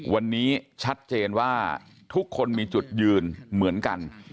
วันนี้ชัดเจนว่าทุกคนมีจุดยืนเหมือนกัน